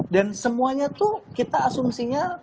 dan semuanya tuh kita asumsinya para tamu ini